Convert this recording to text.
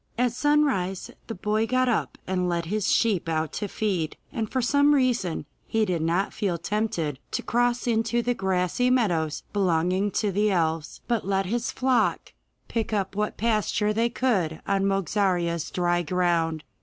At sunrise the boy got up and led his sheep out to feed, and for some reason he did not feel tempted to cross into the grassy meadows belonging to the elves, but let his flock pick up what pasture they could on Mogarzea's dry ground.